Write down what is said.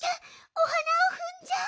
おはなをふんじゃう。